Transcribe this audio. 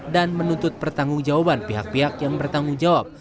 dan menuntut pertanggung jawaban pihak pihak yang bertanggung jawab